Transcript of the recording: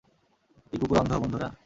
এই কুকুর অন্ধ, বন্ধুরা!